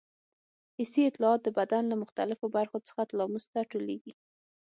حسي اطلاعات د بدن له مختلفو برخو څخه تلاموس ته ټولېږي.